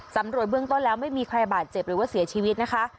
เบื้องต้นแล้วไม่มีใครบาดเจ็บหรือว่าเสียชีวิตนะคะ